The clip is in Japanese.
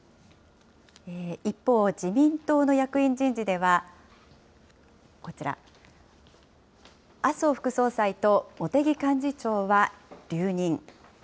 一方、自民党の役員人事では、こちら、麻生副総裁と茂木幹事長は留任。